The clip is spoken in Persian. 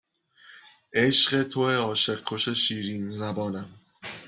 عشق توئه عاشق کش شیرین زبانم